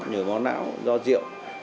nhiều vó não do rượu